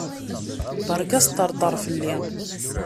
Beṛka asṭerṭer fell-i.